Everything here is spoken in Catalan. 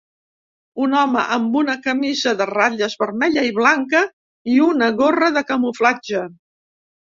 Un home amb una camisa de ratlles vermella i blanca i una gorra de camuflatge.